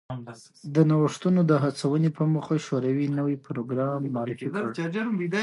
د نوښتونو د هڅونې په موخه شوروي نوی پروګرام معرفي کړ